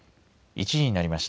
１時になりました。